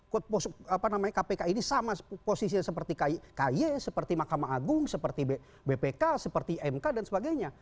kpk ini sama posisinya seperti ky seperti mahkamah agung seperti bpk seperti mk dan sebagainya